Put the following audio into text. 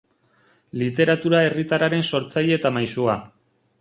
Literatura herritarraren sortzaile eta maisua.